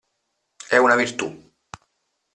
È una virtù.